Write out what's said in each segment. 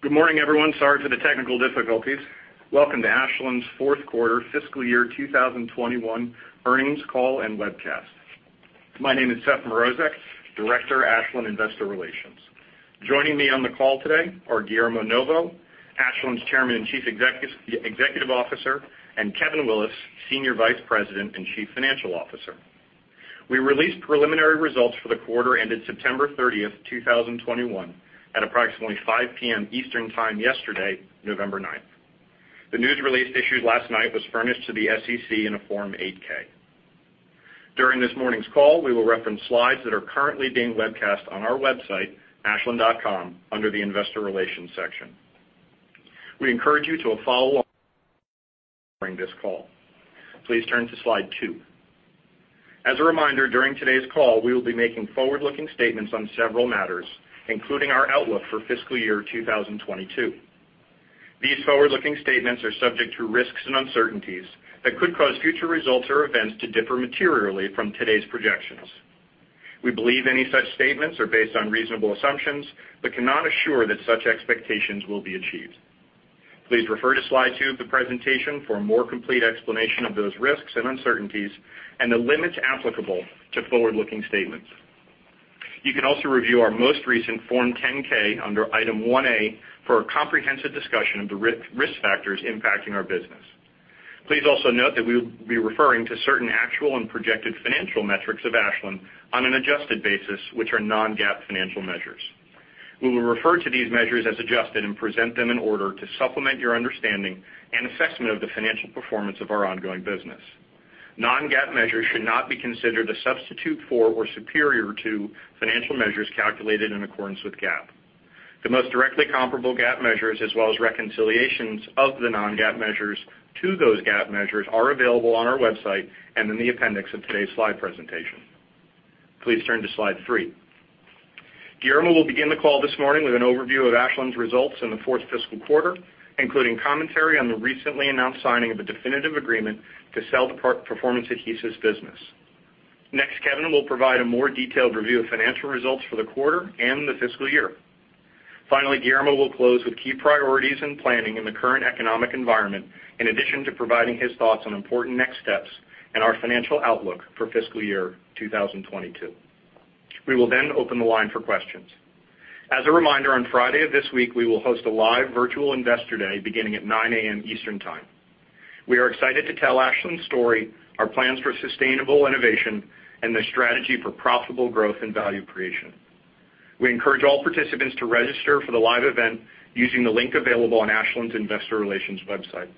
Good morning, everyone. Sorry for the technical difficulties. Welcome to Ashland's Fourth Quarter Fiscal year 2021 earnings call and webcast. My name is Seth Mrozek, Director, Investor Relations, Ashland. Joining me on the call today are Guillermo Novo, Ashland's Chairman and Chief Executive Officer, and Kevin Willis, Senior Vice President and Chief Financial Officer. We released preliminary results for the quarter ended September 30th, 2021 at approximately 5;00 P.M. Eastern Time yesterday, November 9. The news release issued last night was furnished to the SEC in a Form 8-K. During this morning's call, we will reference slides that are currently being webcast on our website, ashland.com, under the Investor Relations section. We encourage you to follow during this call. Please turn to slide two. As a reminder, during today's call, we will be making forward-looking statements on several matters, including our outlook for fiscal year 2022. These forward-looking statements are subject to risks and uncertainties that could cause future results or events to differ materially from today's projections. We believe any such statements are based on reasonable assumptions, but cannot assure that such expectations will be achieved. Please refer to slide two of the presentation for a more complete explanation of those risks and uncertainties, and the limits applicable to forward-looking statements. You can also review our most recent Form 10-K under Item 1A for a comprehensive discussion of the risk factors impacting our business. Please also note that we will be referring to certain actual and projected financial metrics of Ashland on an adjusted basis, which are non-GAAP financial measures. We will refer to these measures as adjusted and present them in order to supplement your understanding and assessment of the financial performance of our ongoing business. Non-GAAP measures should not be considered a substitute for or superior to financial measures calculated in accordance with GAAP. The most directly comparable GAAP measures as well as reconciliations of the non-GAAP measures to those GAAP measures are available on our website and in the appendix of today's slide presentation. Please turn to slide three. Guillermo will begin the call this morning with an overview of Ashland's results in the fourth fiscal quarter, including commentary on the recently announced signing of the definitive agreement to sell the Performance Adhesives business. Next, Kevin will provide a more detailed review of financial results for the quarter and the fiscal year. Finally, Guillermo will close with key priorities and planning in the current economic environment, in addition to providing his thoughts on important next steps and our financial outlook for FY 2022. We will then open the line for questions. As a reminder, on Friday of this week, we will host a live virtual investor day beginning at 9:00 A.M. Eastern Time. We are excited to tell Ashland's story, our plans for sustainable innovation, and the strategy for profitable growth and value creation. We encourage all participants to register for the live event using the link available on Ashland's investor relations website.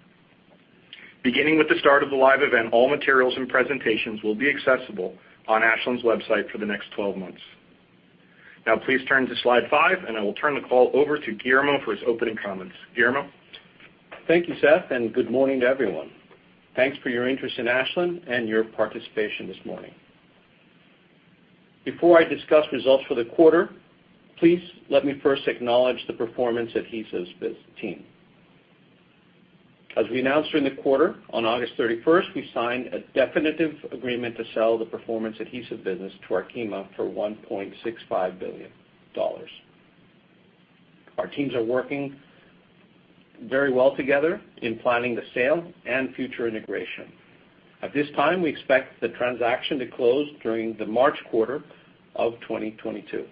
Beginning with the start of the live event, all materials and presentations will be accessible on Ashland's website for the next 12 months. Now please turn to slide five, and I will turn the call over to Guillermo for his opening comments. Guillermo? Thank you, Seth, and good morning to everyone. Thanks for your interest in Ashland and your participation this morning. Before I discuss results for the quarter, please let me first acknowledge the Performance Adhesives business team. As we announced during the quarter, on August 31st, we signed a definitive agreement to sell the Performance Adhesives business to Arkema for $1.65 billion. Our teams are working very well together in planning the sale and future integration. At this time, we expect the transaction to close during the March quarter of 2022.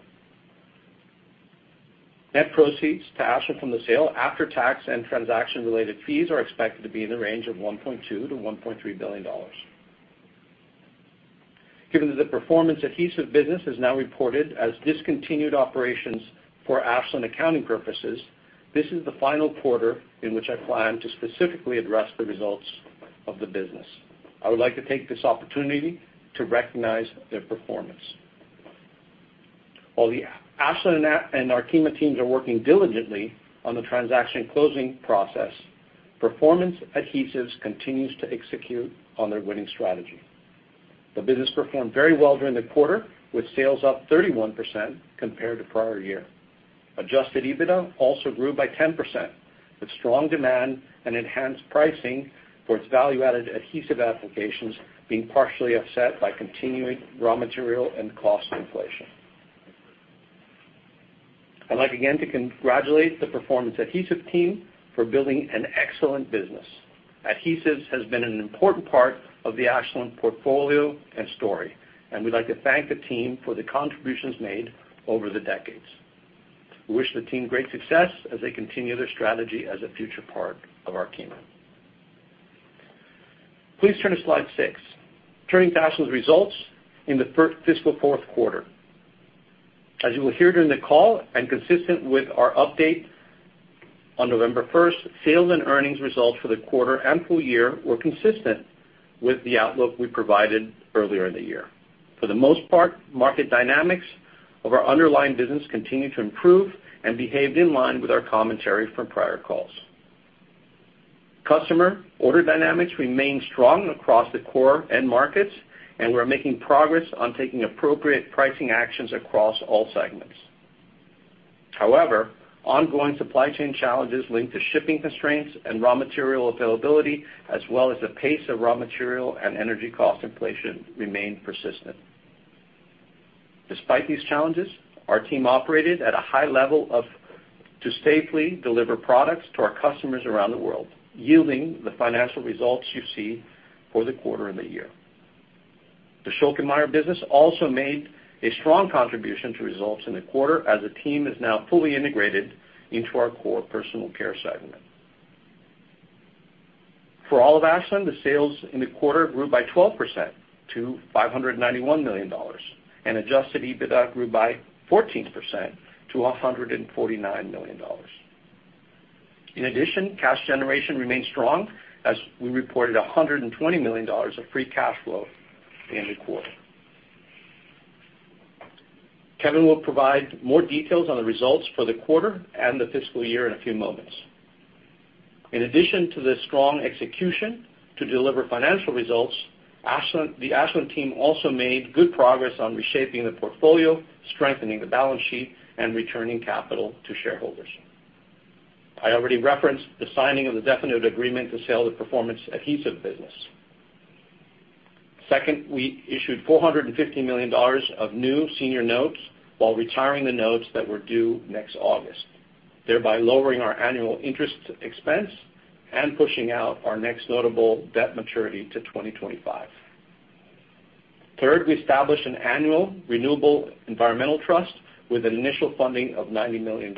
Net proceeds to Ashland from the sale after tax and transaction-related fees are expected to be in the range of $1.2 billion-$1.3 billion. Given that the Performance Adhesives business is now reported as discontinued operations for Ashland accounting purposes, this is the final quarter in which I plan to specifically address the results of the business. I would like to take this opportunity to recognize their performance. While the Ashland and Arkema teams are working diligently on the transaction closing process, Performance Adhesives continues to execute on their winning strategy. The business performed very well during the quarter, with sales up 31% compared to prior year. Adjusted EBITDA also grew by 10%, with strong demand and enhanced pricing for its value-added adhesive applications being partially offset by continuing raw material and cost inflation. I'd like again to congratulate the Performance Adhesives team for building an excellent business. Adhesives has been an important part of the Ashland portfolio and story, and we'd like to thank the team for the contributions made over the decades. We wish the team great success as they continue their strategy as a future part of Arkema. Please turn to slide six. Turning to Ashland's results in the fiscal fourth quarter. As you will hear during the call and consistent with our update on November first, sales and earnings results for the quarter and full year were consistent with the outlook we provided earlier in the year. For the most part, market dynamics of our underlying business continued to improve and behaved in line with our commentary from prior calls. Customer order dynamics remained strong across the core end markets, and we're making progress on taking appropriate pricing actions across all segments. However, ongoing supply chain challenges linked to shipping constraints and raw material availability, as well as the pace of raw material and energy cost inflation remained persistent. Despite these challenges, our team operated at a high level to safely deliver products to our customers around the world, yielding the financial results you see for the quarter and the year. The Schülke & Mayr business also made a strong contribution to results in the quarter as the team is now fully integrated into our core personal care segment. For all of Ashland, the sales in the quarter grew by 12% to $591 million, and adjusted EBITDA grew by 14% to $149 million. In addition, cash generation remained strong as we reported $120 million of free cash flow in the quarter. Kevin will provide more details on the results for the quarter and the fiscal year in a few moments. In addition to the strong execution to deliver financial results, Ashland, the Ashland team also made good progress on reshaping the portfolio, strengthening the balance sheet, and returning capital to shareholders. I already referenced the signing of the definitive agreement to sell the Performance Adhesives business. Second, we issued $450 million of new senior notes while retiring the notes that were due next August, thereby lowering our annual interest expense and pushing out our next notable debt maturity to 2025. Third, we established an annual renewable environmental trust with an initial funding of $90 million.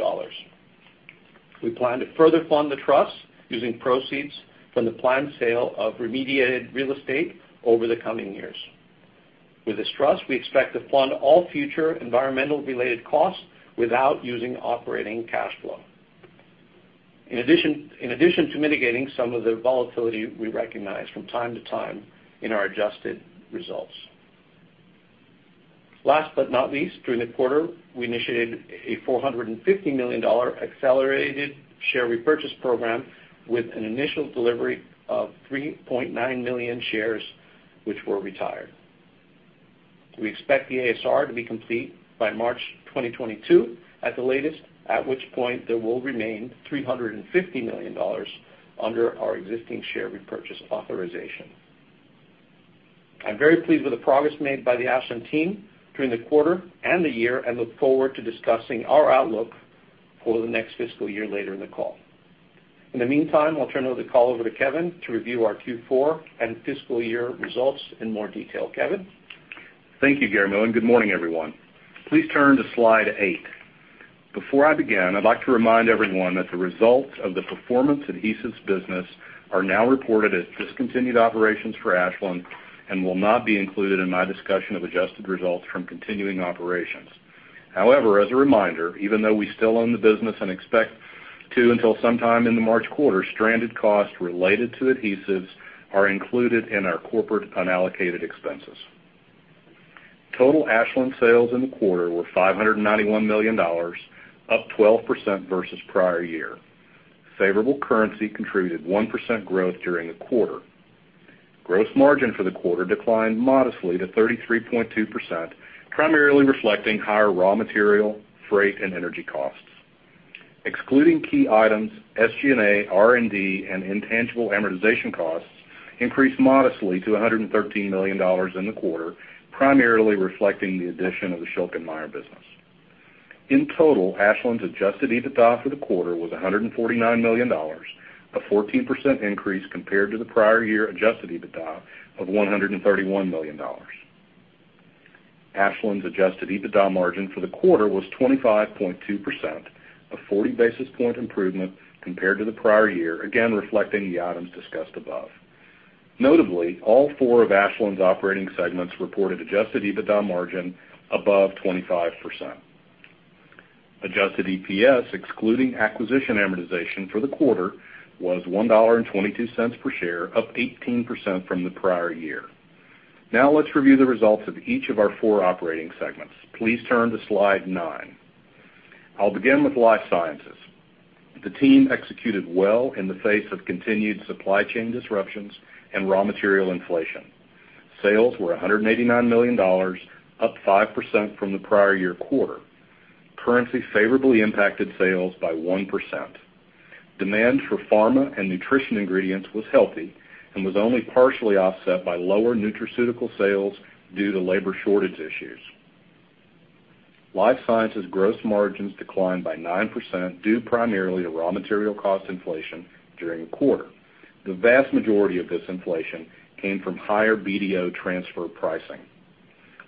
We plan to further fund the trust using proceeds from the planned sale of remediated real estate over the coming years. With this trust, we expect to fund all future environmental-related costs without using operating cash flow, in addition to mitigating some of the volatility we recognize from time to time in our adjusted results. Last but not least, during the quarter, we initiated a $450 million accelerated share repurchase program with an initial delivery of 3.9 million shares, which were retired. We expect the ASR to be complete by March 2022 at the latest, at which point there will remain $350 million under our existing share repurchase authorization. I'm very pleased with the progress made by the Ashland team during the quarter and the year, and look forward to discussing our outlook for the next fiscal year later in the call. In the meantime, I'll turn over the call to Kevin to review our Q4 and fiscal year results in more detail. Kevin? Thank you, Guillermo, and good morning, everyone. Please turn to slide eight. Before I begin, I'd like to remind everyone that the results of the Performance Adhesives business are now reported as discontinued operations for Ashland and will not be included in my discussion of adjusted results from continuing operations. However, as a reminder, even though we still own the business and expect to, until sometime in the March quarter, stranded costs related to adhesives are included in our corporate unallocated expenses. Total Ashland sales in the quarter were $591 million, up 12% versus prior year. Favorable currency contributed 1% growth during the quarter. Gross margin for the quarter declined modestly to 33.2%, primarily reflecting higher raw material, freight, and energy costs. Excluding key items, SG&A, R&D, and intangible amortization costs increased modestly to $113 million in the quarter, primarily reflecting the addition of the Schülke & Mayr business. In total, Ashland's adjusted EBITDA for the quarter was $149 million, a 14% increase compared to the prior year adjusted EBITDA of $131 million. Ashland's adjusted EBITDA margin for the quarter was 25.2%, a 40 basis points improvement compared to the prior year, again, reflecting the items discussed above. Notably, all four of Ashland's operating segments reported adjusted EBITDA margin above 25%. Adjusted EPS, excluding acquisition amortization for the quarter, was $1.22 per share, up 18% from the prior year. Now let's review the results of each of our four operating segments. Please turn to slide nine. I'll begin with Life Sciences. The team executed well in the face of continued supply chain disruptions and raw material inflation. Sales were $189 million, up 5% from the prior year quarter. Currency favorably impacted sales by 1%. Demand for pharma and nutrition ingredients was healthy and was only partially offset by lower nutraceutical sales due to labor shortage issues. Life Sciences gross margins declined by 9%, due primarily to raw material cost inflation during the quarter. The vast majority of this inflation came from higher BDO transfer pricing.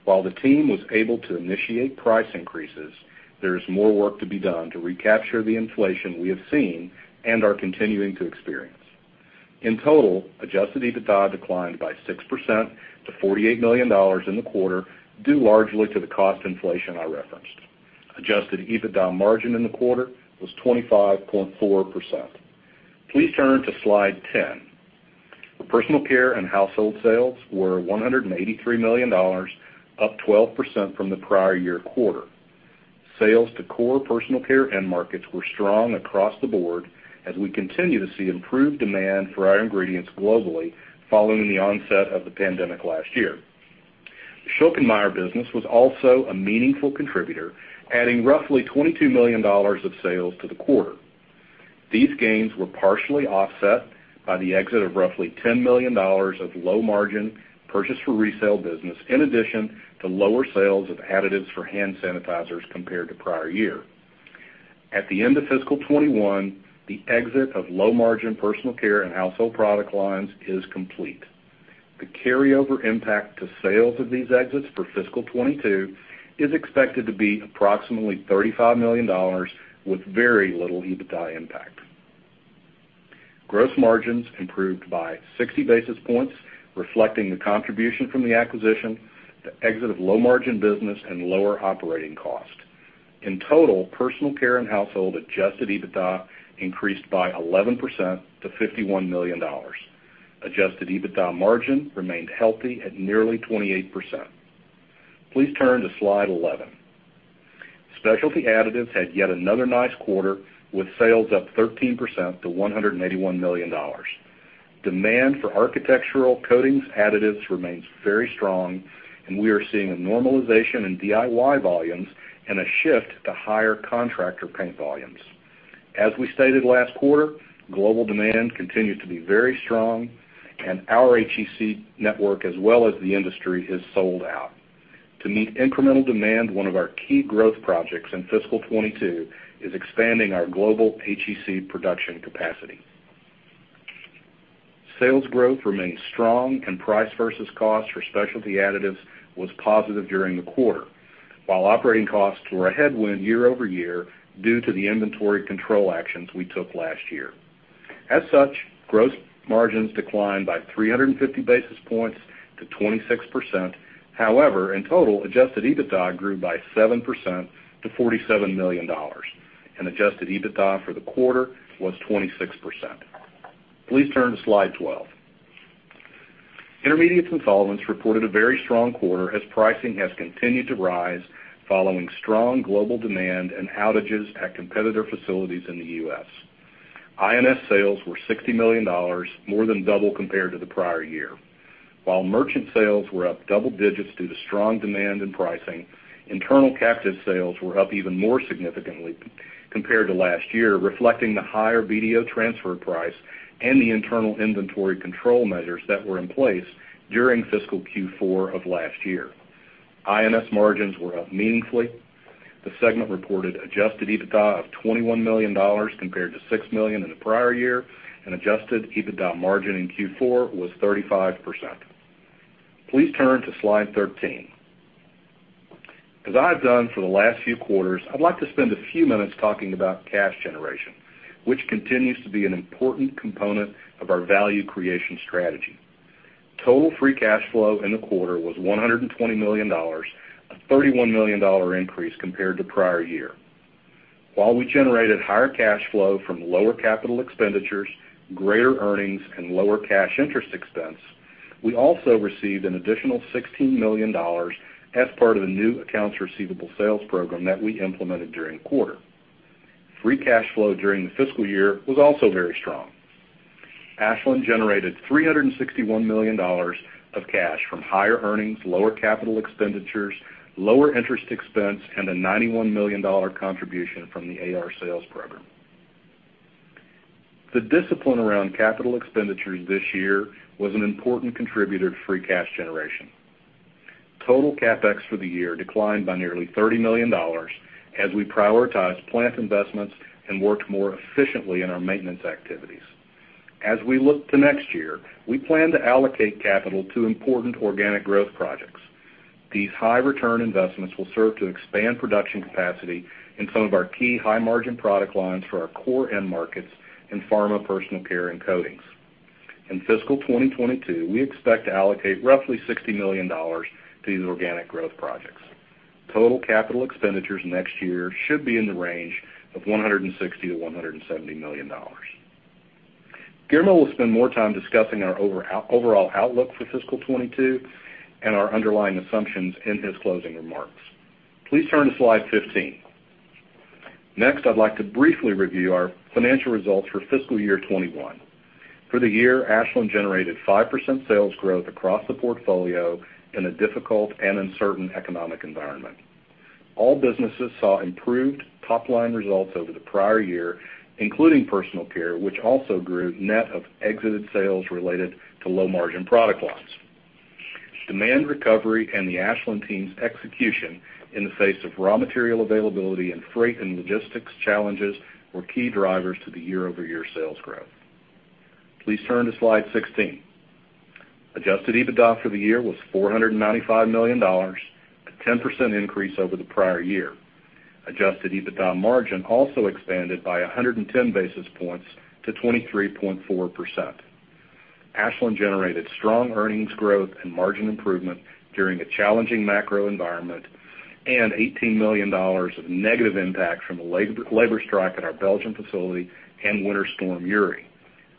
While the team was able to initiate price increases, there is more work to be done to recapture the inflation we have seen and are continuing to experience. In total, adjusted EBITDA declined by 6% to $48 million in the quarter, due largely to the cost inflation I referenced. Adjusted EBITDA margin in the quarter was 25.4%. Please turn to slide 10. Personal Care and Household sales were $183 million, up 12% from the prior year quarter. Sales to core personal care end markets were strong across the board as we continue to see improved demand for our ingredients globally following the onset of the pandemic last year. The Schülke & Mayr business was also a meaningful contributor, adding roughly $22 million of sales to the quarter. These gains were partially offset by the exit of roughly $10 million of low margin purchase for resale business, in addition to lower sales of additives for hand sanitizers compared to prior year. At the end of FY 2021, the exit of low margin personal care and household product lines is complete. The carryover impact to sales of these exits for FY 2022 is expected to be approximately $35 million with very little EBITDA impact. Gross margins improved by 60 basis points, reflecting the contribution from the acquisition, the exit of low margin business and lower operating cost. In total, Personal Care and Household adjusted EBITDA increased by 11% to $51 million. Adjusted EBITDA margin remained healthy at nearly 28%. Please turn to slide 11. Specialty Additives had yet another nice quarter, with sales up 13% to $181 million. Demand for architectural coatings additives remains very strong, and we are seeing a normalization in DIY volumes and a shift to higher contractor paint volumes. As we stated last quarter, global demand continues to be very strong and our HEC network as well as the industry is sold out. To meet incremental demand, one of our key growth projects in FY 2022 is expanding our global HEC production capacity. Sales growth remained strong and price versus cost for Specialty Additives was positive during the quarter, while operating costs were a headwind year over year due to the inventory control actions we took last year. As such, gross margins declined by 350 basis points to 26%. However, in total, adjusted EBITDA grew by 7% to $47 million and adjusted EBITDA for the quarter was 26%. Please turn to slide 12. Intermediates and Solvents reported a very strong quarter as pricing has continued to rise following strong global demand and outages at competitor facilities in the U.S. INS sales were $60 million, more than double compared to the prior year. While merchant sales were up double digits due to strong demand in pricing, internal captive sales were up even more significantly compared to last year, reflecting the higher BDO transfer price and the internal inventory control measures that were in place during fiscal Q4 of last year. INS margins were up meaningfully. The segment reported adjusted EBITDA of $21 million compared to $6 million in the prior year, and adjusted EBITDA margin in Q4 was 35%. Please turn to slide 13. As I've done for the last few quarters, I'd like to spend a few minutes talking about cash generation, which continues to be an important component of our value creation strategy. Total free cash flow in the quarter was $120 million, a $31 million increase compared to prior year. While we generated higher cash flow from lower capital expenditures, greater earnings, and lower cash interest expense, we also received an additional $16 million as part of the new accounts receivable sales program that we implemented during the quarter. Free cash flow during the fiscal year was also very strong. Ashland generated $361 million of cash from higher earnings, lower capital expenditures, lower interest expense, and a $91 million contribution from the AR sales program. The discipline around capital expenditures this year was an important contributor to free cash generation. Total CapEx for the year declined by nearly $30 million as we prioritized plant investments and worked more efficiently in our maintenance activities. As we look to next year, we plan to allocate capital to important organic growth projects. These high return investments will serve to expand production capacity in some of our key high margin product lines for our core end markets in pharma, personal care, and coatings. In FY 2022, we expect to allocate roughly $60 million to these organic growth projects. Total capital expenditures next year should be in the range of $160 million-$170 million. Guillermo will spend more time discussing our overall outlook for FY 2022 and our underlying assumptions in his closing remarks. Please turn to slide 15. Next, I'd like to briefly review our financial results for FY 2021. For the year, Ashland generated 5% sales growth across the portfolio in a difficult and uncertain economic environment. All businesses saw improved top line results over the prior year, including Personal Care, which also grew net of exited sales related to low margin product lines. Demand recovery and the Ashland team's execution in the face of raw material availability and freight and logistics challenges were key drivers to the year-over-year sales growth. Please turn to slide 16. Adjusted EBITDA for the year was $495 million, a 10% increase over the prior year. Adjusted EBITDA margin also expanded by 110 basis points to 23.4%. Ashland generated strong earnings growth and margin improvement during a challenging macro environment and $18 million of negative impact from a labor strike at our Belgian facility and Winter Storm Uri.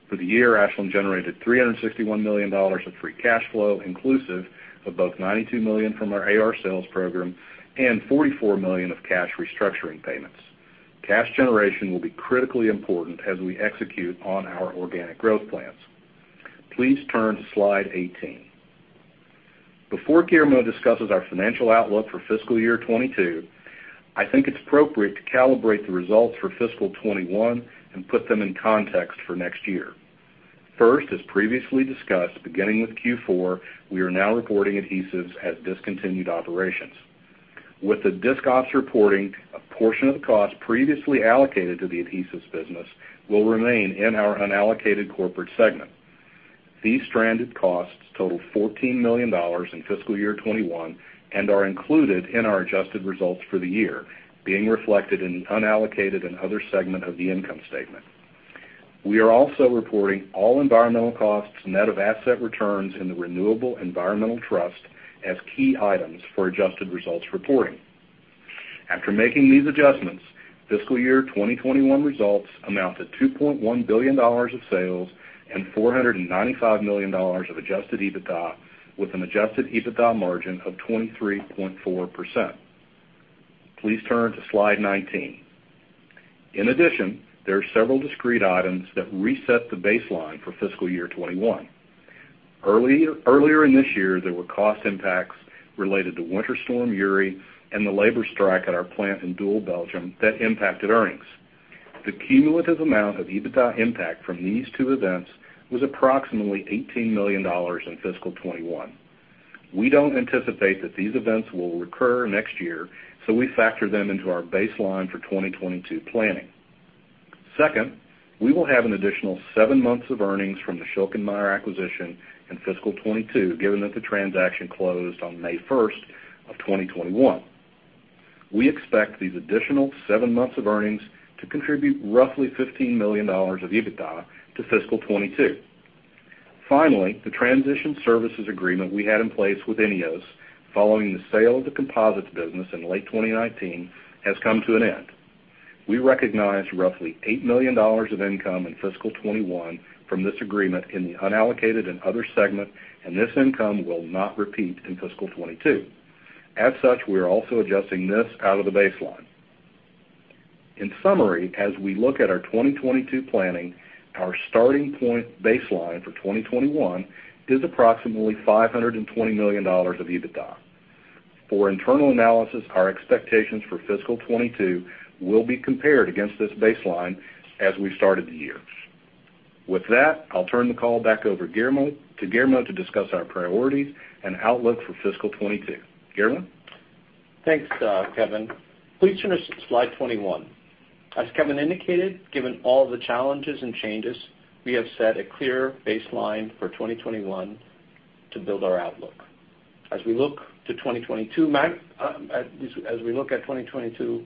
For the year, Ashland generated $361 million of free cash flow, inclusive of both $92 million from our AR sales program and $44 million of cash restructuring payments. Cash generation will be critically important as we execute on our organic growth plans. Please turn to slide 18. Before Guillermo discusses our financial outlook for FY 2022, I think it's appropriate to calibrate the results for FY 2021 and put them in context for next year. First, as previously discussed, beginning with Q4, we are now reporting adhesives as discontinued operations. With the disc ops reporting, a portion of the cost previously allocated to the adhesives business will remain in our unallocated corporate segment. These stranded costs total $14 million in FY 2021 and are included in our adjusted results for the year, being reflected in unallocated and other segment of the income statement. We are also reporting all environmental costs net of asset returns in the Renewable Environmental Trust as key items for adjusted results reporting. After making these adjustments, FY 2021 results amount to $2.1 billion of sales and $495 million of adjusted EBITDA, with an adjusted EBITDA margin of 23.4%. Please turn to slide 19. In addition, there are several discrete items that reset the baseline for FY 2021. Earlier in this year, there were cost impacts related to Winter Storm Uri and the labor strike at our plant in Doel, Belgium, that impacted earnings. The cumulative amount of EBITDA impact from these two events was approximately $18 million in FY 2021. We don't anticipate that these events will recur next year, so we factor them into our baseline for 2022 planning. Second, we will have an additional seven months of earnings from the Schülke & Mayr acquisition in FY 2022, given that the transaction closed on May 1st, 2021. We expect these additional seven months of earnings to contribute roughly $15 million of EBITDA to FY 2022. Finally, the transition services agreement we had in place with INEOS following the sale of the composites business in late 2019 has come to an end. We recognized roughly $8 million of income in FY 2021 from this agreement in the unallocated and other segment, and this income will not repeat in fiscal 2022. As such, we are also adjusting this out of the baseline. In summary, as we look at our 2022 planning, our starting point baseline for 2021 is approximately $520 million of EBITDA. For internal analysis, our expectations for FY 2022 will be compared against this baseline as we started the year. With that, I'll turn the call back over to Guillermo to discuss our priorities and outlook for FY 2022. Guillermo? Thanks, Kevin. Please turn to slide 21. As Kevin indicated, given all the challenges and changes, we have set a clear baseline for 2021 to build our outlook. As we look at 2022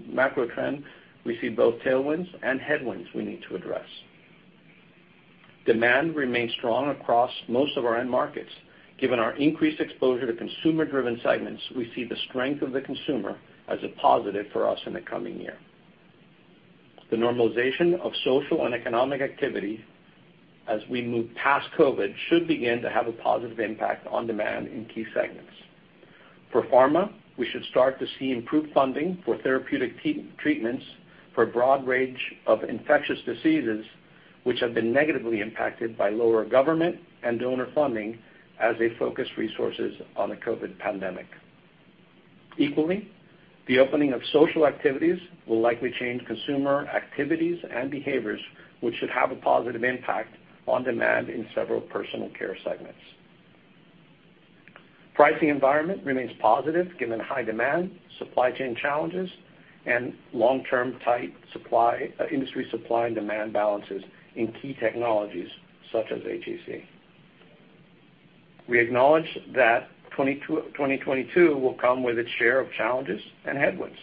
macro trends, we see both tailwinds and headwinds we need to address. Demand remains strong across most of our end markets. Given our increased exposure to consumer-driven segments, we see the strength of the consumer as a positive for us in the coming year. The normalization of social and economic activity as we move past COVID should begin to have a positive impact on demand in key segments. For pharma, we should start to see improved funding for therapeutic treatments for a broad range of infectious diseases, which have been negatively impacted by lower government and donor funding as they focus resources on the COVID pandemic. Equally, the opening of social activities will likely change consumer activities and behaviors, which should have a positive impact on demand in several personal care segments. Pricing environment remains positive given high demand, supply chain challenges, and long-term tight supply, industry supply and demand balances in key technologies such as HEC. We acknowledge that 2022 will come with its share of challenges and headwinds.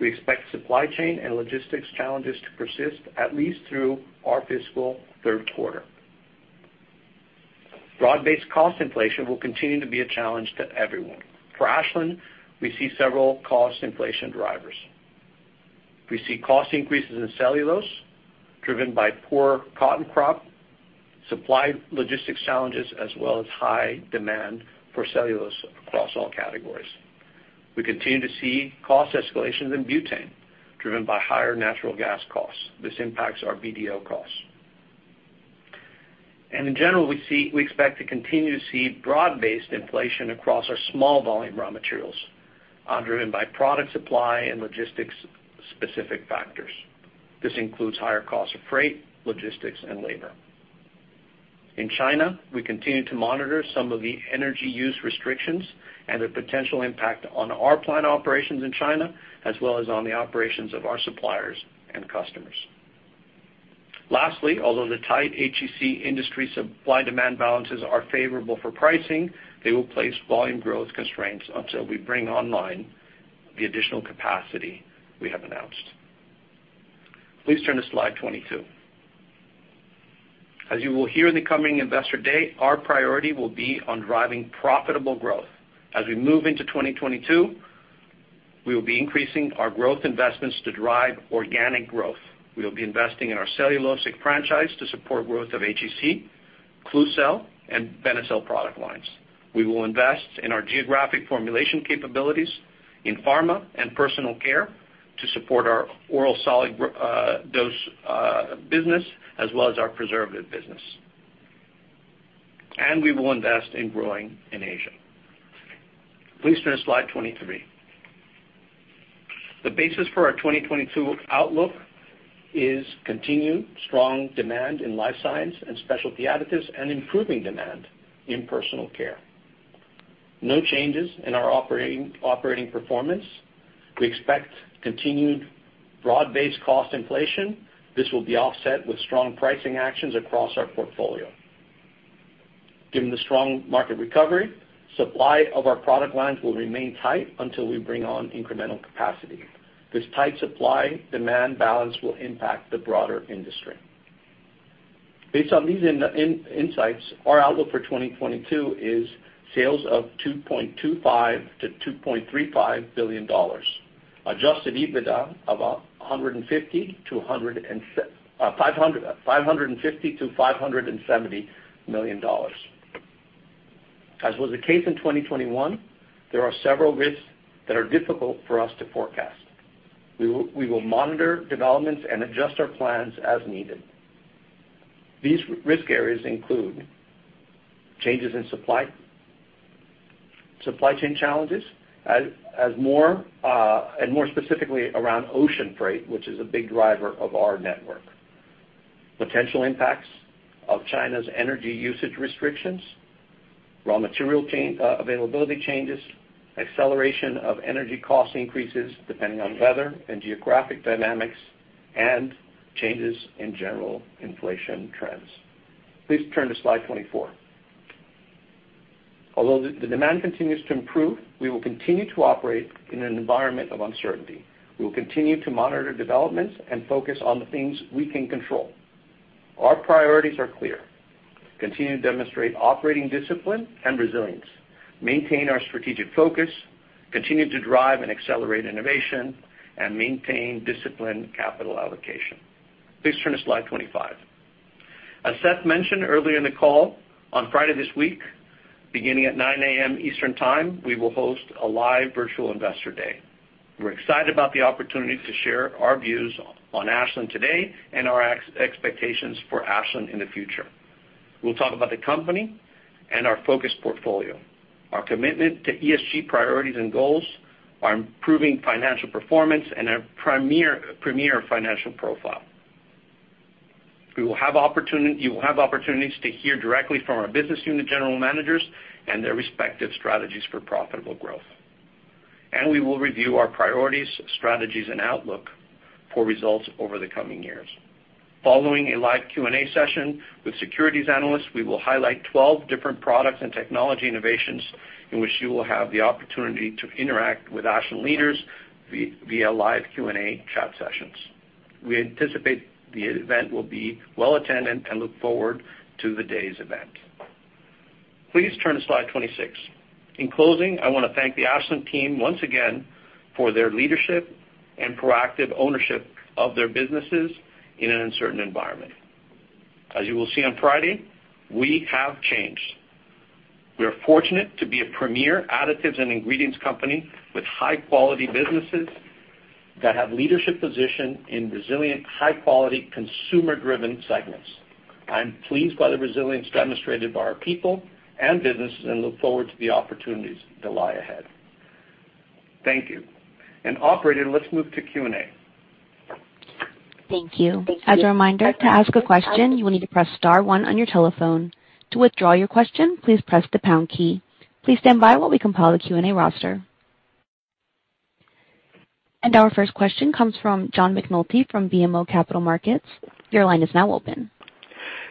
We expect supply chain and logistics challenges to persist at least through our fiscal third quarter. Broad-based cost inflation will continue to be a challenge to everyone. For Ashland, we see several cost inflation drivers. We see cost increases in cellulose driven by poor cotton crop, supply logistics challenges, as well as high demand for cellulose across all categories. We continue to see cost escalations in butane driven by higher natural gas costs. This impacts our BDO costs. In general, we expect to continue to see broad-based inflation across our small volume raw materials, driven by product supply and logistics-specific factors. This includes higher costs of freight, logistics, and labor. In China, we continue to monitor some of the energy use restrictions and the potential impact on our plant operations in China, as well as on the operations of our suppliers and customers. Lastly, although the tight HEC industry supply-demand balances are favorable for pricing, they will place volume growth constraints until we bring online the additional capacity we have announced. Please turn to slide 22. As you will hear in the coming Investor Day, our priority will be on driving profitable growth. As we move into 2022, we will be increasing our growth investments to drive organic growth. We will be investing in our cellulosic franchise to support growth of HEC, Klucel, and Benecel product lines. We will invest in our geographic formulation capabilities in pharma and personal care to support our oral solid dose business as well as our preservative business. We will invest in growing in Asia. Please turn to slide 23. The basis for our 2022 outlook is continued strong demand in Life Sciences and Specialty Additives and improving demand in personal care. No changes in our operating performance. We expect continued broad-based cost inflation. This will be offset with strong pricing actions across our portfolio. Given the strong market recovery, supply of our product lines will remain tight until we bring on incremental capacity. This tight supply-demand balance will impact the broader industry. Based on these insights, our outlook for 2022 is sales of $2.25 billion-$2.35 billion. Adjusted EBITDA of $550 million-$570 million. As was the case in 2021, there are several risks that are difficult for us to forecast. We will monitor developments and adjust our plans as needed. These risk areas include changes in supply chain challenges, as more and more specifically around ocean freight, which is a big driver of our network. Potential impacts of China's energy usage restrictions, raw material availability changes, acceleration of energy cost increases depending on weather and geographic dynamics, and changes in general inflation trends. Please turn to slide 24. Although the demand continues to improve, we will continue to operate in an environment of uncertainty. We will continue to monitor developments and focus on the things we can control. Our priorities are clear. Continue to demonstrate operating discipline and resilience, maintain our strategic focus, continue to drive and accelerate innovation, and maintain disciplined capital allocation. Please turn to slide 25. As Seth mentioned earlier in the call, on Friday this week, beginning at 9:00 A.M. Eastern Time, we will host a live virtual investor day. We're excited about the opportunity to share our views on Ashland today and our expectations for Ashland in the future. We'll talk about the company and our focused portfolio, our commitment to ESG priorities and goals, our improving financial performance, and our premier financial profile. You will have opportunities to hear directly from our business unit general managers and their respective strategies for profitable growth. We will review our priorities, strategies, and outlook for results over the coming years. Following a live Q&A session with securities analysts, we will highlight 12 different products and technology innovations in which you will have the opportunity to interact with Ashland leaders via live Q&A chat sessions. We anticipate the event will be well-attended and look forward to the day's event. Please turn to slide 26. In closing, I wanna thank the Ashland team once again for their leadership and proactive ownership of their businesses in an uncertain environment. As you will see on Friday, we have changed. We are fortunate to be a premier additives and ingredients company with high-quality businesses that have leadership position in resilient, high-quality, consumer-driven segments. I'm pleased by the resilience demonstrated by our people and businesses and look forward to the opportunities that lie ahead. Thank you. Operator, let's move to Q&A. Thank you. As a reminder, to ask a question, you will need to press star one on your telephone. To withdraw your question, please press the pound key. Please stand by while we compile the Q&A roster. Our first question comes from John McNulty from BMO Capital Markets. Your line is now open.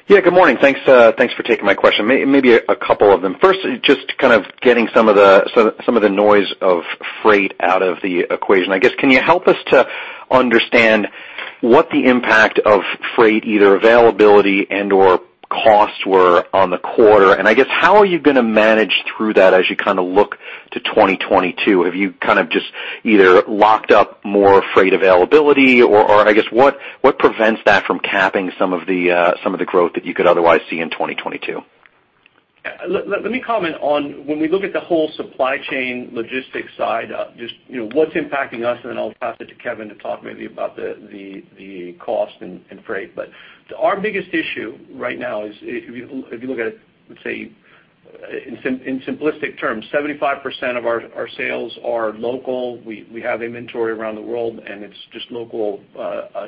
Yeah, good morning. Thanks for taking my question. Maybe a couple of them. First, just kind of getting some of the noise of freight out of the equation, I guess. Can you help us to understand what the impact of freight, either availability and/or cost were on the quarter? I guess, how are you gonna manage through that as you kinda look to 2022? Have you kind of just either locked up more freight availability? Or I guess, what prevents that from capping some of the growth that you could otherwise see in 2022? Yeah. Let me comment on when we look at the whole supply chain logistics side, just, you know, what's impacting us, and then I'll pass it to Kevin to talk maybe about the cost and freight. Our biggest issue right now is if you look at it, let's say, in simplistic terms, 75% of our sales are local. We have inventory around the world, and it's just local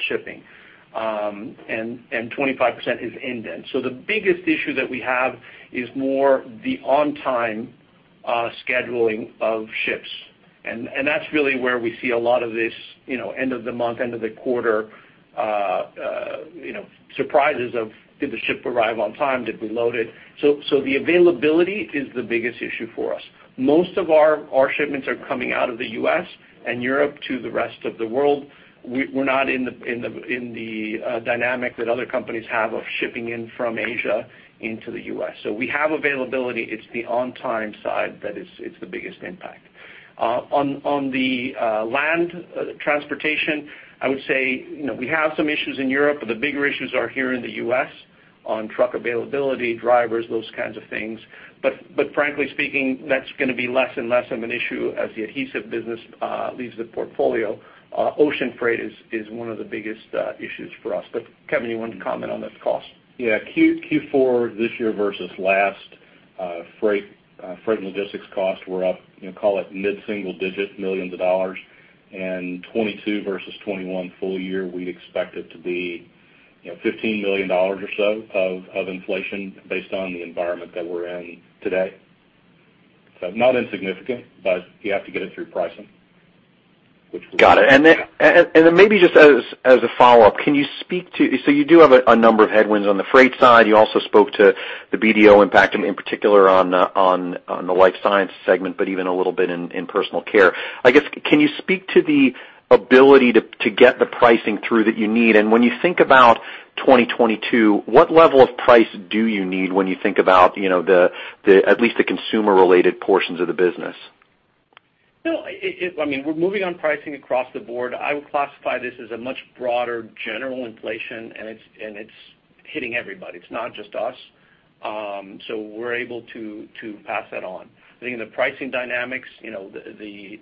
shipping. And 25% is indent. The biggest issue that we have is more the on-time scheduling of ships. That's really where we see a lot of this, you know, end of the month, end of the quarter, you know, surprises of did the ship arrive on time? Did we load it? The availability is the biggest issue for us. Most of our shipments are coming out of the U.S. and Europe to the rest of the world. We're not in the dynamic that other companies have of shipping in from Asia into the U.S. We have availability. It's the on-time side that is the biggest impact. On land transportation, I would say, you know, we have some issues in Europe, but the bigger issues are here in the U.S. On truck availability, drivers, those kinds of things. Frankly speaking, that's gonna be less and less of an issue as the adhesive business leaves the portfolio. Ocean freight is one of the biggest issues for us. Kevin, you wanna comment on this cost? Yeah. Q4 this year versus last, freight and logistics costs were up, you know, call it mid-single-digit millions of dollars. 2022 versus 2021 full year, we'd expect it to be, you know, $15 million or so of inflation based on the environment that we're in today. Not insignificant, but you have to get it through pricing, which we— Got it. Then maybe just as a follow-up, can you speak to— You do have a number of headwinds on the freight side. You also spoke to the BDO impact, in particular on the Life Sciences segment, but even a little bit in Personal Care. I guess, can you speak to the ability to get the pricing through that you need? When you think about 2022, what level of price do you need when you think about, you know, the at least the consumer-related portions of the business? No. I mean, we're moving on pricing across the board. I would classify this as a much broader general inflation, and it's hitting everybody. It's not just us. So we're able to pass that on. I think the pricing dynamics, you know, the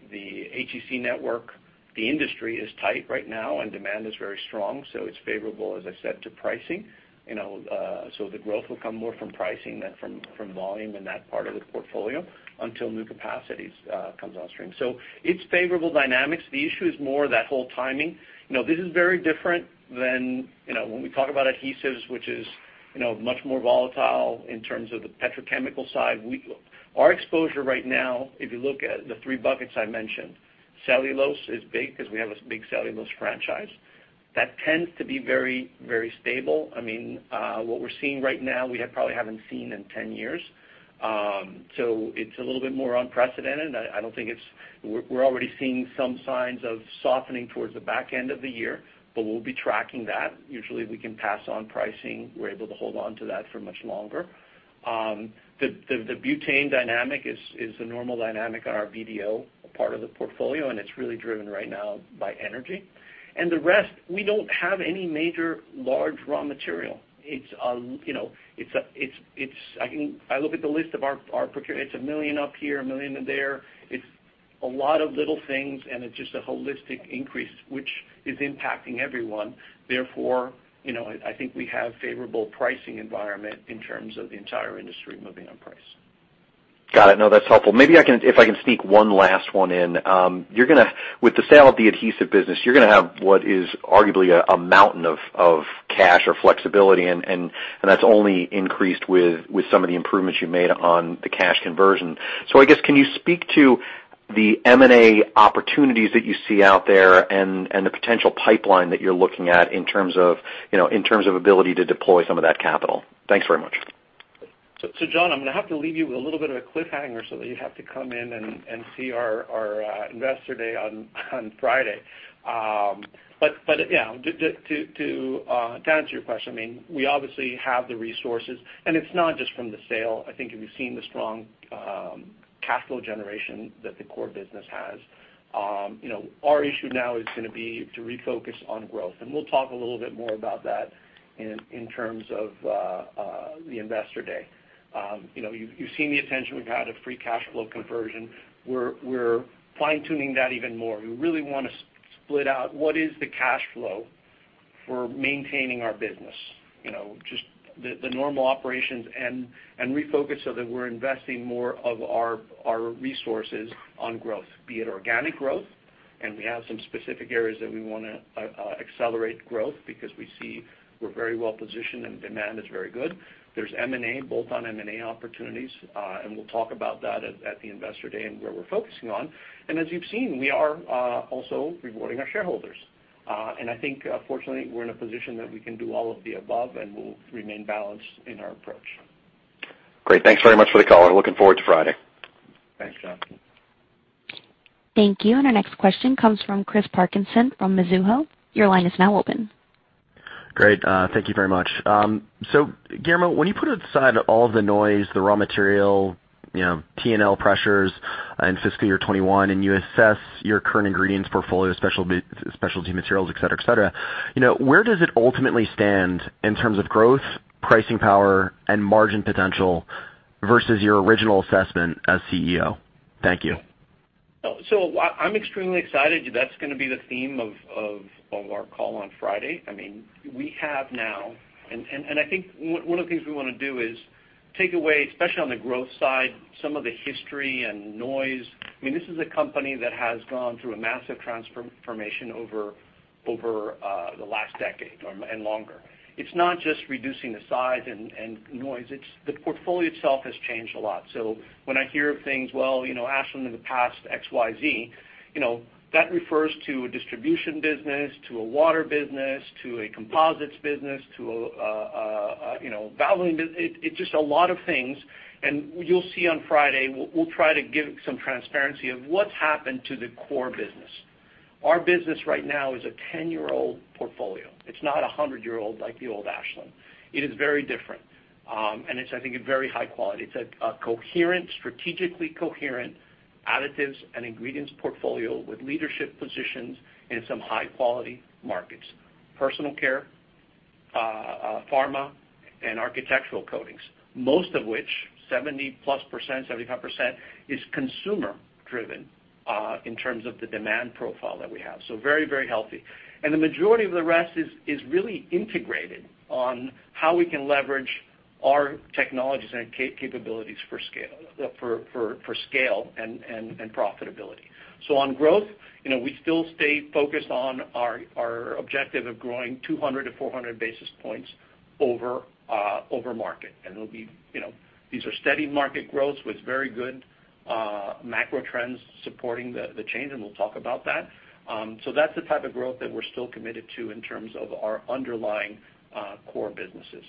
HEC network, the industry is tight right now, and demand is very strong, so it's favorable, as I said, to pricing. You know, so the growth will come more from pricing than from volume in that part of the portfolio until new capacities comes on stream. So it's favorable dynamics. The issue is more that whole timing. You know, this is very different than, you know, when we talk about adhesives, which is, you know, much more volatile in terms of the petrochemical side. Our exposure right now, if you look at the three buckets I mentioned, cellulose is big because we have a big cellulose franchise. That tends to be very, very stable. I mean, what we're seeing right now, we probably haven't seen in 10 years. So it's a little bit more unprecedented. I don't think it's. We're already seeing some signs of softening towards the back end of the year, but we'll be tracking that. Usually, if we can pass on pricing, we're able to hold on to that for much longer. The butane dynamic is a normal dynamic on our BDO part of the portfolio, and it's really driven right now by energy. The rest, we don't have any major large raw material. It's, it's. I look at the list of our procurement. It's $1 million up here, $1 million there. It's a lot of little things, and it's just a holistic increase, which is impacting everyone. Therefore, I think we have favorable pricing environment in terms of the entire industry moving on price. Got it. No, that's helpful. Maybe if I can sneak one last one in. You're gonna. With the sale of the adhesive business, you're gonna have what is arguably a mountain of cash or flexibility, and that's only increased with some of the improvements you made on the cash conversion. I guess, can you speak to the M&A opportunities that you see out there and the potential pipeline that you're looking at in terms of ability to deploy some of that capital? Thanks very much. John, I'm gonna have to leave you with a little bit of a cliffhanger so that you have to come in and see our investor day on Friday. Yeah, to answer your question, I mean, we obviously have the resources, and it's not just from the sale. I think if you've seen the strong cash flow generation that the core business has, our issue now is gonna be to refocus on growth. We'll talk a little bit more about that in terms of the investor day. You know, you've seen the attention we've had on free cash flow conversion. We're fine-tuning that even more. We really wanna split out what is the cash flow for maintaining our business. You know, just the normal operations and refocus so that we're investing more of our resources on growth, be it organic growth, and we have some specific areas that we wanna accelerate growth because we see we're very well positioned and demand is very good. There's M&A, bolt-on M&A opportunities, and we'll talk about that at the investor day and where we're focusing on. As you've seen, we are also rewarding our shareholders. I think, fortunately, we're in a position that we can do all of the above, and we'll remain balanced in our approach. Great. Thanks very much for the call, and looking forward to Friday. Thanks, John. Thank you. Our next question comes from Chris Parkinson from Mizuho. Your line is now open. Great. Thank you very much. Guillermo, when you put aside all the noise, the raw material, you know, TNL pressures in FY 2021, and you assess your current ingredients portfolio, specialty materials, et cetera, et cetera, you know, where does it ultimately stand in terms of growth, pricing power, and margin potential versus your original assessment as CEO? Thank you. I'm extremely excited. That's gonna be the theme of our call on Friday. I mean, we have now. I think one of the things we wanna do is take away, especially on the growth side, some of the history and noise. I mean, this is a company that has gone through a massive transformation over the last decade or, and longer. It's not just reducing the size and noise, it's the portfolio itself has changed a lot. When I hear things, well, you know, Ashland in the past, XYZ, you know, that refers to a distribution business, to a water business, to a composites business, to a you know, Valvoline business. It's just a lot of things. You'll see on Friday, we'll try to give some transparency of what's happened to the core business. Our business right now is a 10-year-old portfolio. It's not a 100-year-old like the old Ashland. It is very different, and it's, I think, a very high quality. It's a coherent, strategically coherent additives and ingredients portfolio with leadership positions in some high-quality markets, personal care, pharma, and architectural coatings, most of which 70%+, 75% is consumer driven, in terms of the demand profile that we have. Very healthy. The majority of the rest is really integrated on how we can leverage our technologies and capabilities for scale and profitability. On growth, you know, we still stay focused on our objective of growing 200-400 basis points over market. It'll be, you know, these are steady market growths with very good macro trends supporting the change, and we'll talk about that. That's the type of growth that we're still committed to in terms of our underlying core businesses.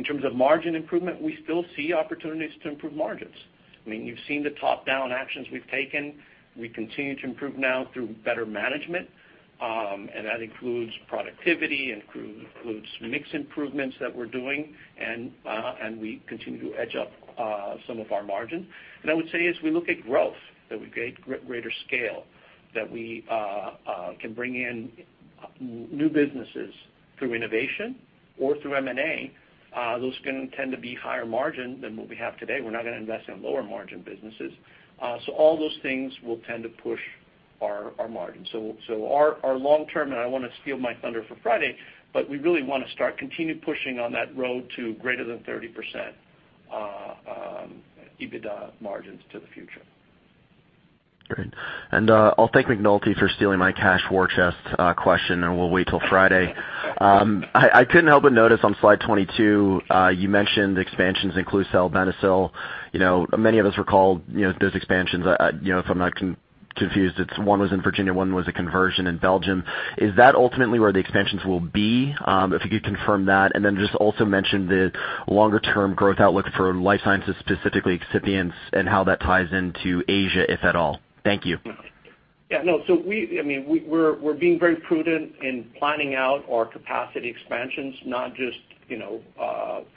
In terms of margin improvement, we still see opportunities to improve margins. I mean, you've seen the top-down actions we've taken. We continue to improve now through better management, and that includes productivity, mix improvements that we're doing, and we continue to edge up some of our margins. I would say as we look at growth, that we get greater scale, that we can bring in new businesses through innovation or through M&A, those can tend to be higher margin than what we have today. We're not gonna invest in lower margin businesses. All those things will tend to push our margins. Our long term, and I don't wanna steal my thunder for Friday, but we really wanna start continuing pushing on that road to greater than 30% EBITDA margins to the future. Great. I'll thank McNulty for stealing my cash war chest question, and we'll wait till Friday. I couldn't help but notice on slide 22, you mentioned expansions in Klucel and Benecel. You know, many of us recall, you know, those expansions, you know, if I'm not confused, it's one was in Virginia, one was a conversion in Belgium. Is that ultimately where the expansions will be? If you could confirm that, and then just also mention the longer-term growth outlook for Life Sciences, specifically excipients and how that ties into Asia, if at all. Thank you. Yeah, no. I mean, we're being very prudent in planning out our capacity expansions, not just, you know,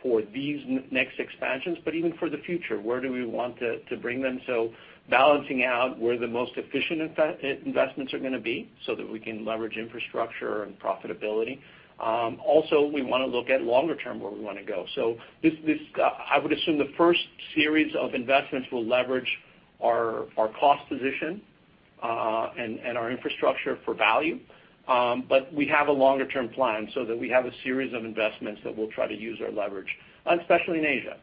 for these next expansions, but even for the future, where do we want to bring them. We're balancing out where the most efficient investments are gonna be so that we can leverage infrastructure and profitability. Also, we wanna look at longer term where we wanna go. This, I would assume the first series of investments will leverage our cost position, and our infrastructure for value. We have a longer-term plan so that we have a series of investments that we'll try to use our leverage, and especially in Asia.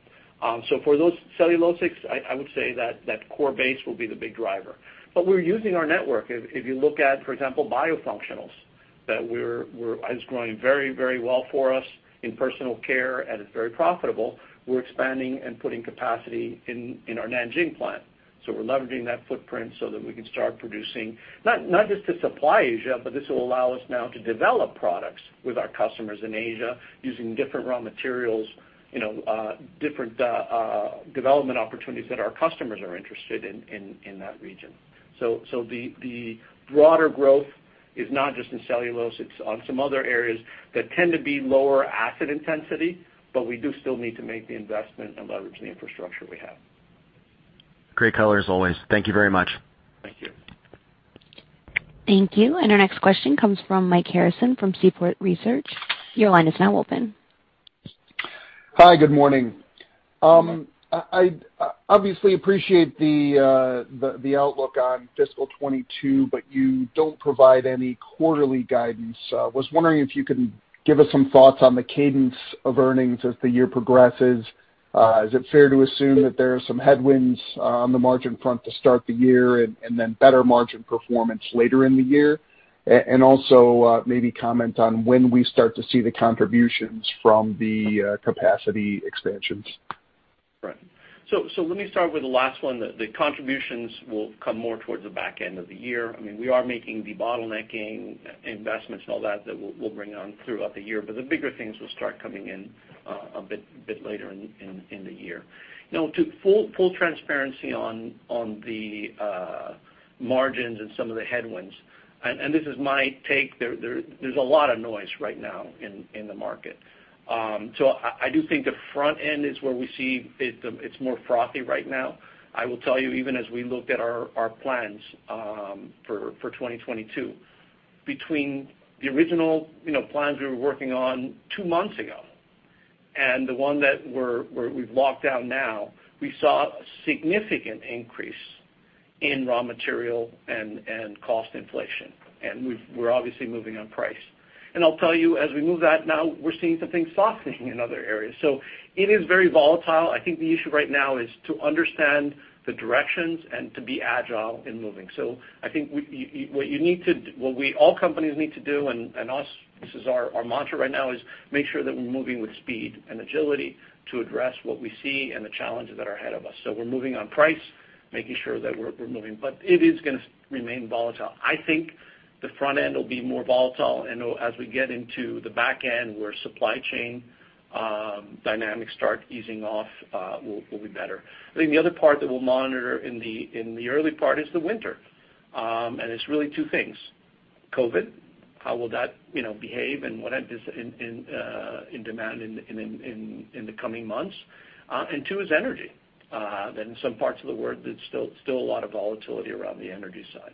For those cellulosics, I would say that core base will be the big driver. We're using our network. If you look at, for example, biofunctionals, it's growing very well for us in Personal Care, and it's very profitable. We're expanding and putting capacity in our Nanjing plant. We're leveraging that footprint so that we can start producing, not just to supply Asia, but this will allow us now to develop products with our customers in Asia using different raw materials, you know, different development opportunities that our customers are interested in that region. The broader growth is not just in cellulose, it's on some other areas that tend to be lower acid intensity, but we do still need to make the investment and leverage the infrastructure we have. Great colors always. Thank you very much. Thank you. Thank you. Our next question comes from Mike Harrison from Seaport Research. Your line is now open. Hi, good morning. I obviously appreciate the outlook on FY 2022, but you don't provide any quarterly guidance. Was wondering if you could give us some thoughts on the cadence of earnings as the year progresses. Is it fair to assume that there are some headwinds on the margin front to start the year and then better margin performance later in the year? And also, maybe comment on when we start to see the contributions from the capacity expansions. Right. Let me start with the last one. The contributions will come more towards the back end of the year. I mean, we are making the bottlenecking investments and all that that we'll bring on throughout the year, but the bigger things will start coming in a bit later in the year. Now, to full transparency on the margins and some of the headwinds, and this is my take, there's a lot of noise right now in the market. I do think the front end is where we see it's more frothy right now. I will tell you, even as we looked at our plans for 2022, between the original, you know, plans we were working on two months ago and the one that we've locked down now, we saw a significant increase in raw material and cost inflation, and we're obviously moving on price. I'll tell you, as we move that now, we're seeing some things softening in other areas. It is very volatile. I think the issue right now is to understand the directions and to be agile in moving. I think what all companies need to do and us, this is our mantra right now, is make sure that we're moving with speed and agility to address what we see and the challenges that are ahead of us. We're moving on price, making sure that we're moving, but it is gonna remain volatile. I think the front end will be more volatile, and as we get into the back end, where supply chain dynamics start easing off, we'll be better. I think the other part that we'll monitor in the early part is the winter. It's really two things. COVID, how will that, you know, behave and what it does to demand in the coming months. Two is energy. In some parts of the world, there's still a lot of volatility around the energy side.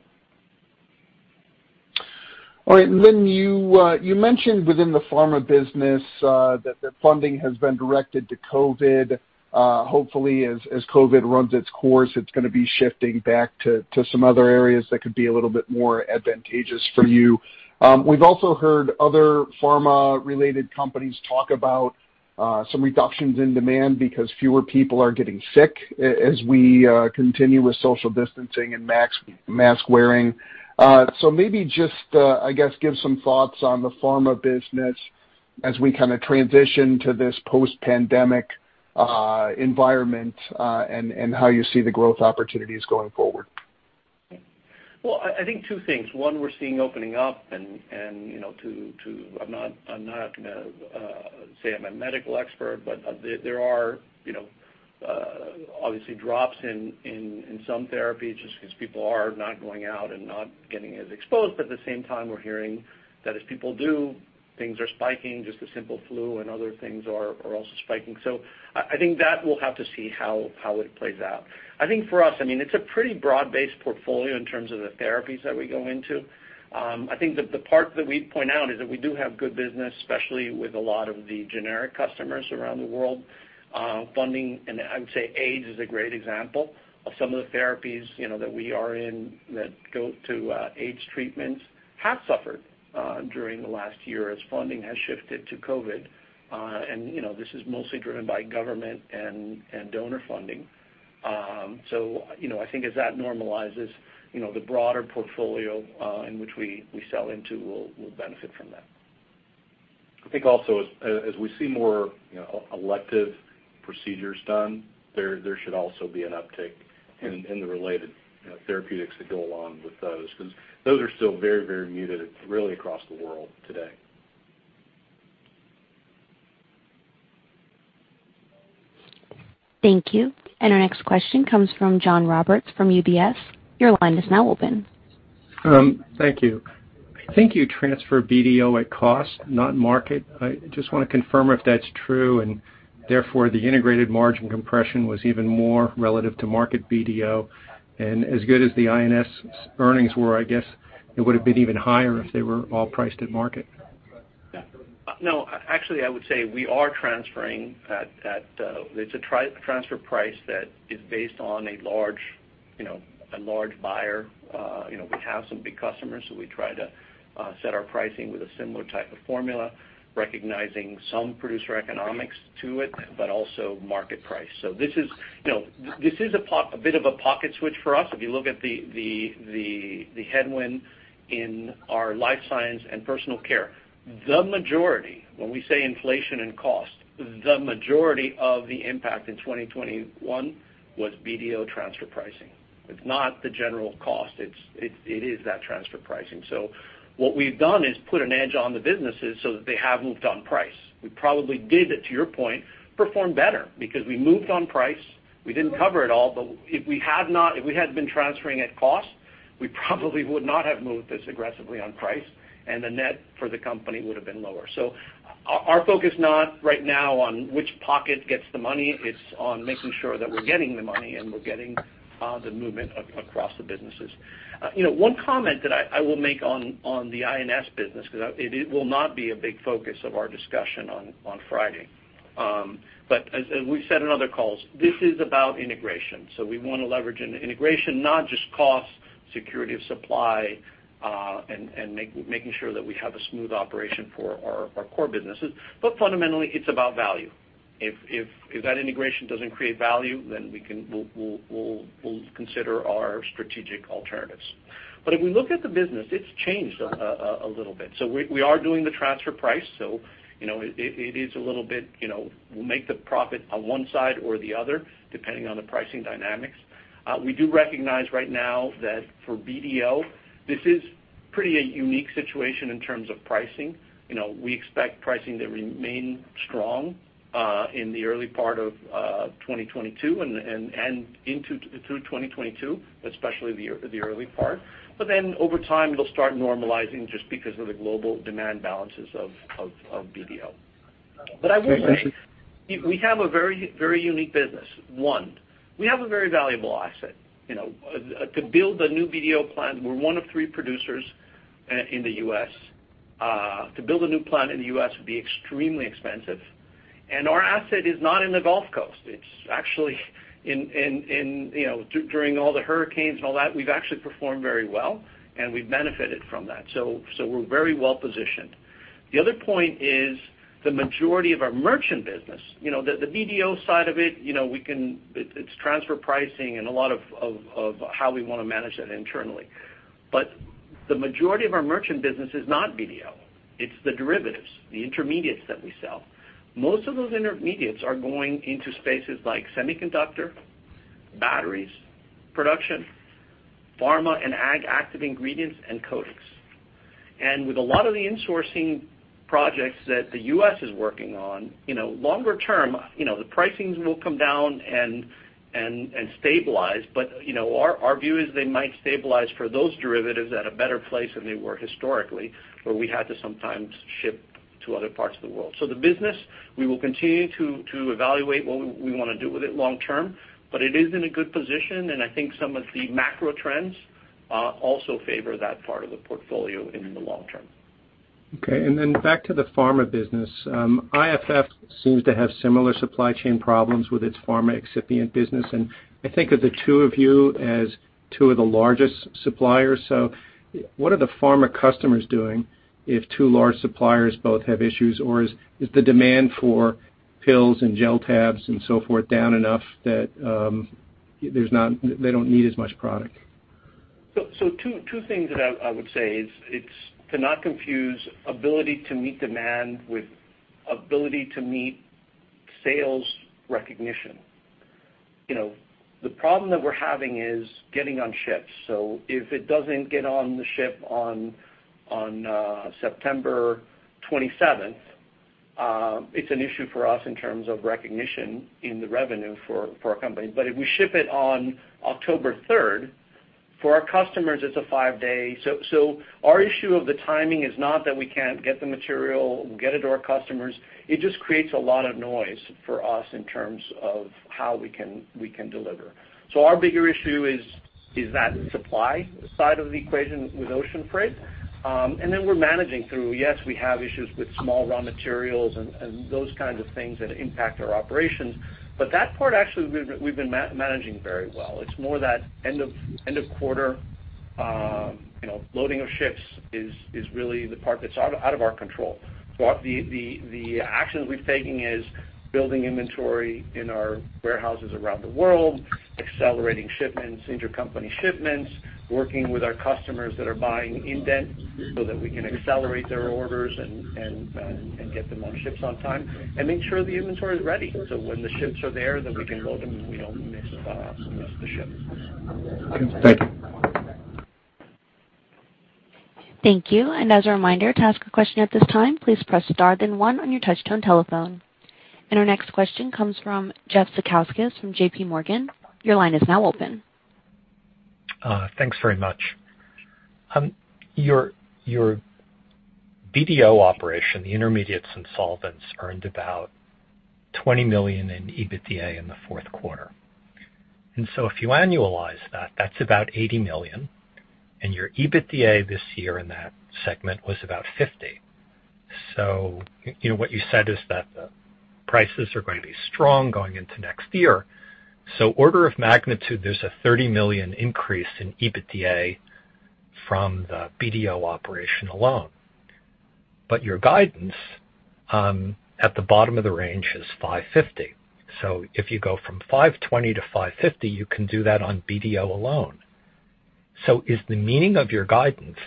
All right. when you mentioned within the pharma business that the funding has been directed to COVID. Hopefully, as COVID runs its course, it's gonna be shifting back to some other areas that could be a little bit more advantageous for you. We've also heard other pharma-related companies talk about some reductions in demand because fewer people are getting sick as we continue with social distancing and mask wearing. Maybe just, I guess, give some thoughts on the pharma business as we kinda transition to this post-pandemic environment, and how you see the growth opportunities going forward. Well, I think two things. One, we're seeing opening up and, you know, I'm not gonna say I'm a medical expert, but there are, you know, obviously drops in some therapies just 'cause people are not going out and not getting as exposed. But at the same time, we're hearing that as people do, things are spiking, just the simple flu and other things are also spiking. I think that we'll have to see how it plays out. I think for us, I mean, it's a pretty broad-based portfolio in terms of the therapies that we go into. I think the part that we'd point out is that we do have good business, especially with a lot of the generic customers around the world, funding. I would say AIDS is a great example of some of the therapies, you know, that we are in that go to AIDS treatments have suffered during the last year as funding has shifted to COVID. You know, this is mostly driven by government and donor funding. So, you know, I think as that normalizes, you know, the broader portfolio in which we sell into will benefit from that. I think also as we see more, you know, elective procedures done, there should also be an uptick in the related, you know, therapeutics that go along with those. 'Cause those are still very muted really across the world today. Thank you. Our next question comes from John Roberts from UBS. Your line is now open. Thank you. I think you transfer BDO at cost, not market. I just wanna confirm if that's true, and therefore, the integrated margin compression was even more relative to market BDO. As good as the INS earnings were, I guess it would have been even higher if they were all priced at market? Yeah. No, actually, I would say we are transferring at a transfer price that is based on a large, you know, a large buyer. You know, we have some big customers, so we try to set our pricing with a similar type of formula, recognizing some producer economics to it, but also market price. This is a bit of a profit switch for us. If you look at the headwind in our Life Sciences and Personal Care, the majority, when we say inflation and cost, the majority of the impact in 2021 was BDO transfer pricing. It's not the general cost, it is that transfer pricing. What we've done is put a hedge on the businesses so that they have moved on price. We probably did it, to your point, perform better because we moved on price. We didn't cover it all, but if we hadn't been transferring at cost, we probably would not have moved as aggressively on price, and the net for the company would have been lower. Our focus is not right now on which pocket gets the money, it's on making sure that we're getting the money and we're getting the movement across the businesses. You know, one comment that I will make on the INS business, 'cause it will not be a big focus of our discussion on Friday. As we've said in other calls, this is about integration. We want to leverage the integration, not just cost, security of supply, and making sure that we have a smooth operation for our core businesses. Fundamentally, it's about value. If that integration doesn't create value, then we'll consider our strategic alternatives. If we look at the business, it's changed a little bit. We are doing the transfer price, you know, it is a little bit, you know, we'll make the profit on one side or the other, depending on the pricing dynamics. We do recognize right now that for BDO, this is a pretty unique situation in terms of pricing. You know, we expect pricing to remain strong in the early part of 2022 and through 2022, especially the early part. Then over time, it'll start normalizing just because of the global demand balances of BDO. I will say, we have a very unique business. One, we have a very valuable asset. You know, to build a new BDO plant, we're one of three producers in the U.S. To build a new plant in the U.S. would be extremely expensive. Our asset is not in the Gulf Coast. It's actually in you know during all the hurricanes and all that, we've actually performed very well, and we've benefited from that. We're very well-positioned. The other point is the majority of our merchant business, you know, the BDO side of it, you know, it's transfer pricing and a lot of how we wanna manage that internally. The majority of our merchant business is not BDO. It's the derivatives, the intermediates that we sell. Most of those intermediates are going into spaces like semiconductor, batteries, production, pharma, and active ingredients, and coatings. With a lot of the insourcing projects that the U.S. is working on, you know, longer term, you know, the pricing will come down and stabilize. You know, our view is they might stabilize for those derivatives at a better place than they were historically, where we had to sometimes ship to other parts of the world. The business, we will continue to evaluate what we wanna do with it long term, but it is in a good position, and I think some of the macro trends also favor that part of the portfolio in the long term. Okay. Then back to the pharma business. IFF seems to have similar supply chain problems with its pharma excipient business. I think of the two of you as two of the largest suppliers. What are the pharma customers doing if two large suppliers both have issues, or is the demand for pills and gel tabs and so forth down enough that they don't need as much product? Two things that I would say is it's to not confuse ability to meet demand with ability to meet sales recognition. You know, the problem that we're having is getting on ships. If it doesn't get on the ship on September 27th, it's an issue for us in terms of recognition in the revenue for our company. If we ship it on October 3rd, for our customers, it's a five-day. Our issue of the timing is not that we can't get the material to our customers. It just creates a lot of noise for us in terms of how we can deliver. Our bigger issue is that supply side of the equation with ocean freight. Then we're managing through. Yes, we have issues with small raw materials and those kinds of things that impact our operations. That part actually we've been managing very well. It's more that end of quarter, you know, loading of ships is really the part that's out of our control. The actions we're taking is building inventory in our warehouses around the world, accelerating shipments, intercompany shipments, working with our customers that are buying indent so that we can accelerate their orders and get them on ships on time and make sure the inventory is ready, so when the ships are there, then we can load them, and we don't miss the ships. Thank you. Thank you. As a reminder, to ask a question at this time, please press star then one on your touchtone telephone. Our next question comes from Jeff Zekauskas from JPMorgan. Your line is now open. Thanks very much. Your BDO operation, the Intermediates and Solvents, earned about $20 million in EBITDA in the fourth quarter. If you annualize that's about $80 million. Your EBITDA this year in that segment was about $50 million. You know, what you said is that the prices are going to be strong going into next year. Order of magnitude, there's a $30 million increase in EBITDA from the BDO operation alone. Your guidance at the bottom of the range is $550 million. If you go from $520 million to $550 million, you can do that on BDO alone? Is the meaning of your guidance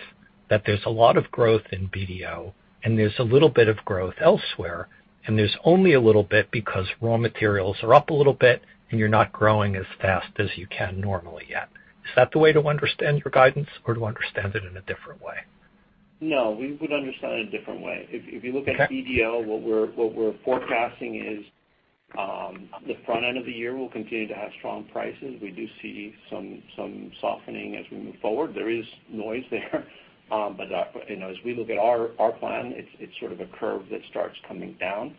that there's a lot of growth in BDO and there's a little bit of growth elsewhere, and there's only a little bit because raw materials are up a little bit, and you're not growing as fast as you can normally yet? Is that the way to understand your guidance, or to understand it in a different way? No, we would understand it a different way. Okay. If you look at BDO, what we're forecasting is the front end of the year, we'll continue to have strong prices. We do see some softening as we move forward. There is noise there. You know, as we look at our plan, it's sort of a curve that starts coming down.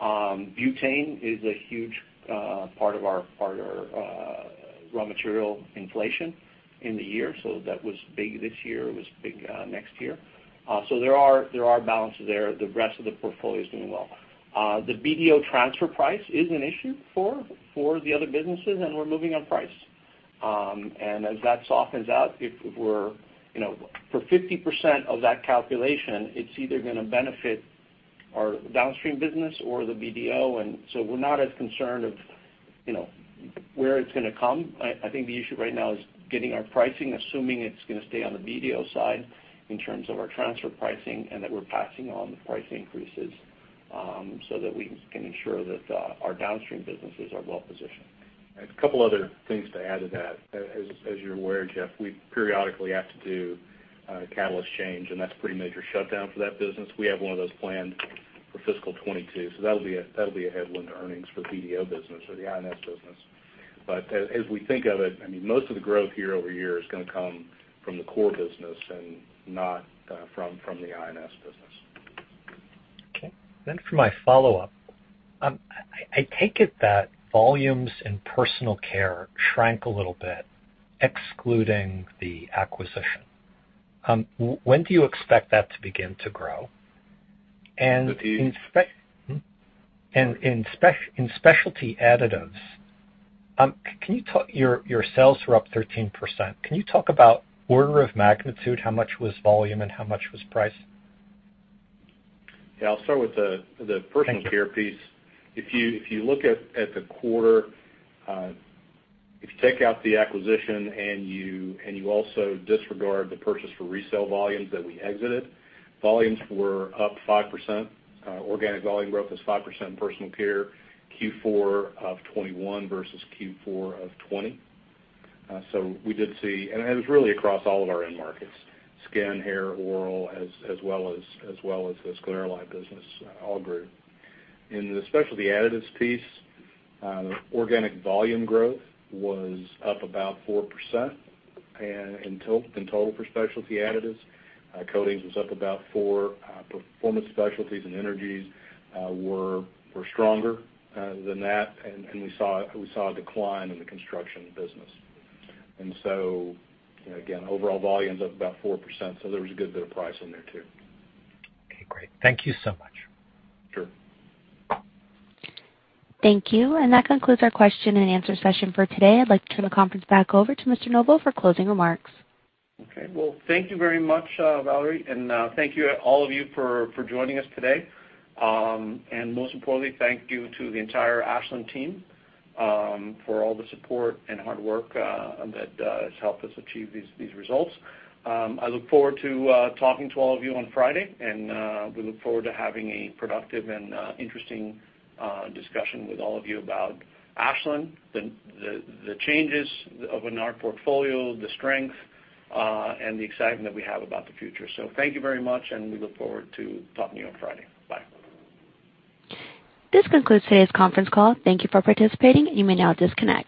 Butane is a huge part of our raw material inflation in the year. That was big this year, it was big next year. There are balances there. The rest of the portfolio is doing well. The BDO transfer price is an issue for the other businesses, and we're moving on price. As that softens out, if we're, you know, for 50% of that calculation, it's either gonna benefit our downstream business or the BDO. We're not as concerned of, you know, where it's gonna come. I think the issue right now is getting our pricing, assuming it's gonna stay on the BDO side in terms of our transfer pricing, and that we're passing on the price increases, so that we can ensure that our downstream businesses are well-positioned. A couple other things to add to that. You're aware, Jeff, we periodically have to do a catalyst change, and that's pretty major shutdown for that business. We have one of those planned for FY 2022, so that'll be a headwind to earnings for BDO business or the INS business. But we think of it, I mean, most of the growth year-over-year is gonna come from the core business and not from the INS business. Okay. For my follow-up, I take it that volumes in Personal Care shrank a little bit, excluding the acquisition. When do you expect that to begin to grow? In spec- With the- In Specialty Additives, your sales were up 13%. Can you talk about order of magnitude, how much was volume and how much was price? Yeah, I'll start with the Personal Care piece. Thank you. If you look at the quarter, if you take out the acquisition and you also disregard the purchase for resale volumes that we exited, volumes were up 5%. Organic volume growth was 5% personal care, Q4 of 2021 versus Q4 of 2020. So we did see. It was really across all of our end markets. Skin, hair, oral, as well as the Scleralight business all grew. In the Specialty Additives piece, organic volume growth was up about 4% and in total for Specialty Additives. Coatings was up about 4%. Performance specialties and energies were stronger than that. We saw a decline in the construction business. You know, again, overall volume's up about 4%, so there was a good bit of price in there too. Okay, great. Thank you so much. Sure. Thank you. That concludes our question and answer session for today. I'd like to turn the conference back over to Mr. Novo for closing remarks. Okay. Well, thank you very much, Valerie, and thank you all of you for joining us today. Most importantly, thank you to the entire Ashland team for all the support and hard work that has helped us achieve these results. I look forward to talking to all of you on Friday, and we look forward to having a productive and interesting discussion with all of you about Ashland, the changes in our portfolio, the strength and the excitement that we have about the future. Thank you very much, and we look forward to talking to you on Friday. Bye. This concludes today's conference call. Thank you for participating. You may now disconnect.